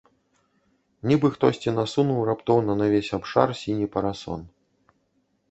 Нібы хтосьці насунуў раптоўна на ўвесь абшар сіні парасон.